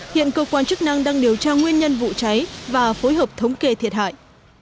hiện cơ quan chức năng đang điều tra nguyên nhân vụ cháy và phối hợp thống kê thiệt hại